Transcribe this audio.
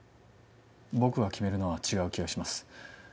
僕が決めるのは違う気がします。